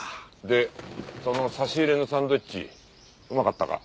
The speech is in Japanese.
でその差し入れのサンドイッチうまかったか？